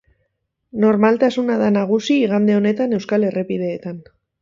Normaltasuna da nagusi igande honetan euskal errepideetan.